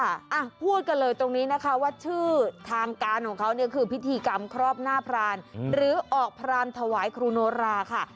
อ่ะพูดกันเลยตรงนี้นะคะว่าชื่อทางการของเขาเนี่ยคือพิธีกรรมครอบหน้าพรานหรือออกพรานถวายครูโนราค่ะ